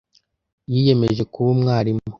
Yiyemeje kuba umwarimu.